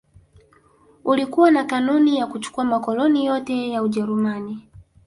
Ulikuwa na kanuni za kuchukua makoloni yote ya Ujerumani